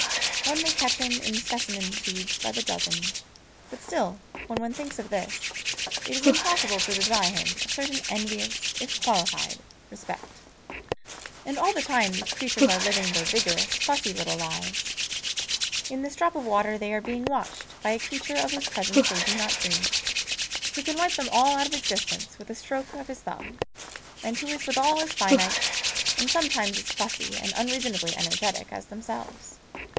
One may catch him in specimen tubes by the dozen; but still, when one thinks of this, it is impossible to deny him a certain envious, if qualified, respect. And all the time these creatures are living their vigorous, fussy little lives; in this drop of water they are being watched by a creature of whose presence they do not dream, who can wipe them all out of existence with a stroke of his thumb, and who is withal as finite, and sometimes as fussy and unreasonably energetic, as themselves.